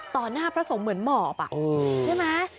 หน้าพระสงฆ์เหมือนหมอบใช่ไหม